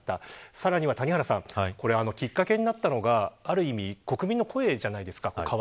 さらに、きっかけになったのがある意味国民の声じゃないですか。